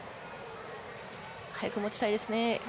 ここ持ちたいですね。